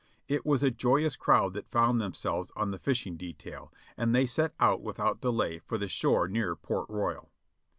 It was a joyous crowd that found themselves on the fishing detail, and they set out without delay for the shore near Port Royal.